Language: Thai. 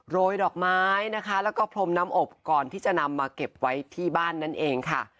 ยดอกไม้นะคะแล้วก็พรมน้ำอบก่อนที่จะนำมาเก็บไว้ที่บ้านนั่นเองค่ะ